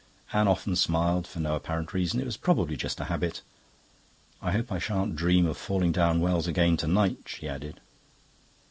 Anne often smiled for no apparent reason; it was probably just a habit. "I hope I shan't dream of falling down wells again to night," she added.